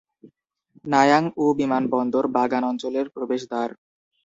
নায়াং উ বিমানবন্দর বাগান অঞ্চলের প্রবেশদ্বার।